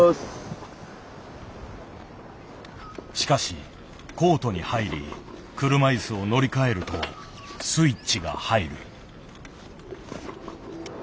しかしコートに入り車いすを乗り換えるとスイッチが入る。